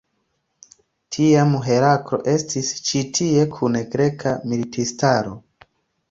Tiam Heraklo estis ĉi tie kun greka militistaro.